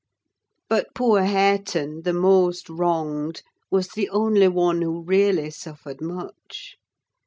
But poor Hareton, the most wronged, was the only one who really suffered much.